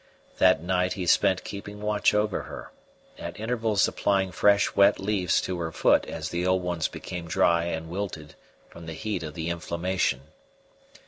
That night he spent keeping watch over her, at intervals applying fresh wet leaves to her foot as the old ones became dry and wilted from the heat of the inflammation.